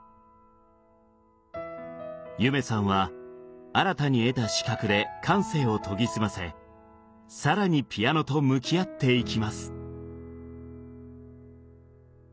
夢さんは新たに得た視覚で感性を研ぎ澄ませ更にピアノと向き合っていきます。